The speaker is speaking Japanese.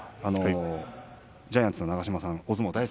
ジャイアンツ長嶋さん